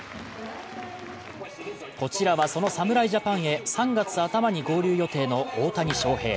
こちらはその侍ジャパンへ３月頭に合流予定の大谷翔平。